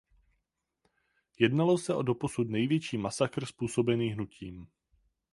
Jednalo se doposud o největší masakr způsobený hnutím.